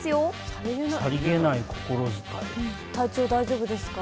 体調大丈夫ですか？